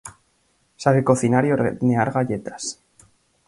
Sabe cocinar y hornear galletas.